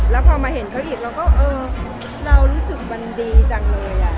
แล้วพอมาเห็นเขาอีกเราก็เออเรารู้สึกมันดีจังเลย